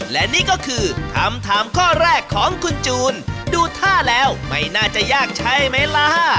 และนี่ก็คือคำถามข้อแรกของคุณจูนดูท่าแล้วไม่น่าจะยากใช่ไหมล่ะ